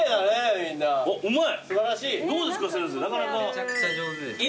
めちゃくちゃ上手ですね。